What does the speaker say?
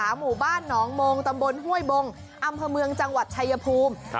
หมู่บ้านหนองมงตำบลห้วยบงอำเภอเมืองจังหวัดชายภูมิ